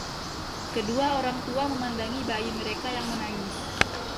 Kedua orang tua memandangi bayi mereka yang menangis.